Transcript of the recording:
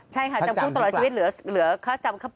ใช่ค่ะจำคุกตลอดชีวิตเหลือค่าจำ